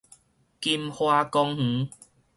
金華公園